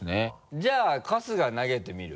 じゃあ春日投げてみる？